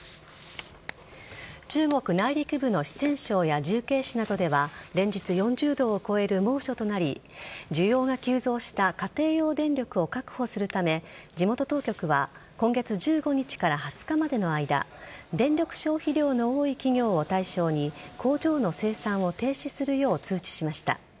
中国内陸部の四川省や重慶市などでは連日、４０度を超える猛暑となり需要が急増した家庭用電力を確保するため地元当局は今月１５日から２０日までの間電力消費量の多い企業を対象に工場の生産を停止するよう通知しました。